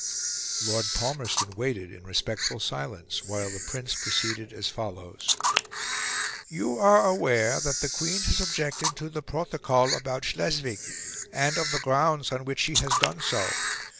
Lord Palmerston waited in respectful silence, while the Prince proceeded as follows: "You are aware that the Queen has objected to the Protocol about Schleswig, and of the grounds on which she has done so.